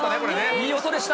いい音でした。